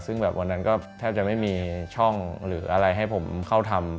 ซึ่งแบบวันนั้นก็แทบจะไม่มีช่องหรืออะไรให้ผมเข้าทำ